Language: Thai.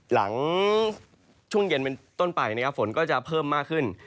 หลังช่วงเย็นถึงต้นไปผมเป็นที่ฝนจะเพิ่มมากขึ้น